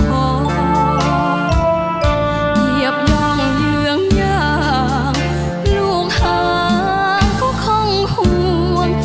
เหยียบย่องเยืองยากลูกห้างก็คงห่วง